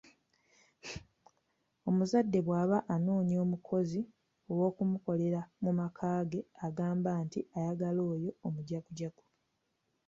Omuzadde bwaba anoonya omukozi ow'okumukolera mu maka ge agamba nti ayagala oyo omujagujagu.